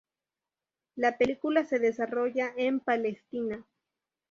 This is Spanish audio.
La película se desarrolla en Palestina.